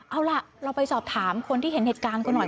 เอาล่ะเราไปสอบถามคนที่เห็นเหตุการณ์กันหน่อย